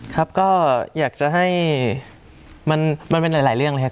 ครับก็อยากจะให้มันเป็นหลายเรื่องเลยครับ